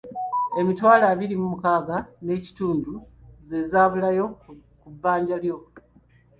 Emitwalo abiri mu mukaaaga n’ekitundu ze zibulayo ku bbanja lyo.